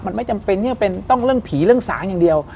มันไม่จำเป็นที่จำเป็นต้องเรื่องผีเรื่องสางอย่างเดียว